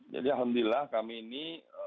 jadi alhamdulillah kami ini